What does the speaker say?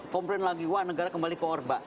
komplain lagi wah negara kembali ke orba